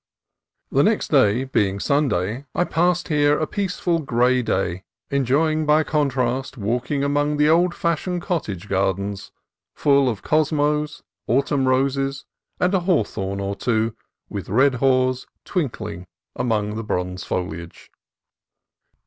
The next day being Sunday, I passed here a peaceful gray day, enjoying by contrast walking among the old fashioned cottage gardens, full of cosmos, au tumn roses, and a hawthorn or two with red haws twinkling among the bronze foliage.